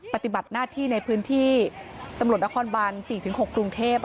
ปฏิบัติหน้าที่ในพื้นที่ตำรวจนครบัน๔๖กรุงเทพ